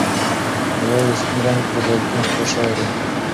د واورې سپین رنګ پر بالکن خپور شوی و.